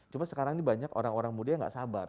cuma sekarang ini banyak orang orang muda yang gak sabar